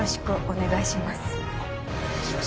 お願いします